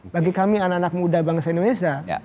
bagi kami anak anak muda bangsa indonesia